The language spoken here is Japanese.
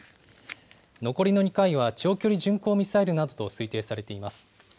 残りの２回は長距離巡航ミサイルなどと推定されています。